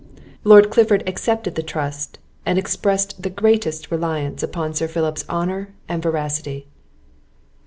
Lord Clifford accepted the trust, and expressed the greatest reliance upon Sir Philip's honour and veracity.